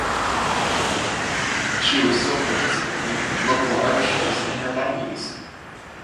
She was still participating in local art shows in her nineties.